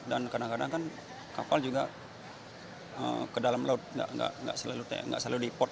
dan kadang kadang kan kapal juga ke dalam laut tidak selalu di port